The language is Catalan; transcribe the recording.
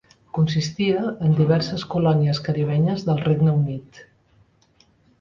Consistia en diverses colònies caribenyes del Regne Unit.